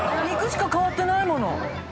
肉しか変わってないもの。